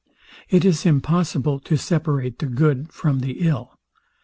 It is impossible to separate the good from the ill.